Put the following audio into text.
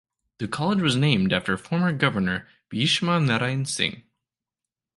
The college was named after former Governor Bhishma Narain Singh.